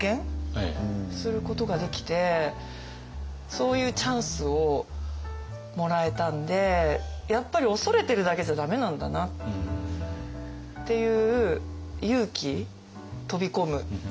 そういうチャンスをもらえたんでやっぱり恐れてるだけじゃ駄目なんだなっていう勇気飛び込む。